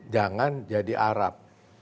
jangan jadi arab